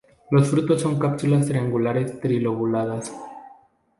Los frutos son cápsulas triangulares trilobuladas.